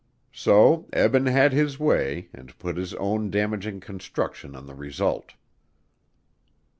So Eben had his way and put his own damaging construction on the result.